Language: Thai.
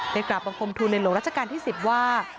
กราบบังคมทุนในหลวงราชการที่๑๐ว่า